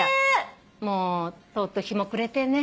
もうとうとう日も暮れてね。